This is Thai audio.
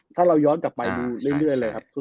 ถ้าเราย้อนกลับไปดูเรื่อยเลยครับ